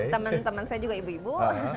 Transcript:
temen temen saya juga ibu ibu